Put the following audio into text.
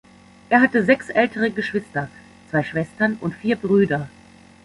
Er hatte sechs ältere Geschwister, zwei Schwestern und vier Brüder.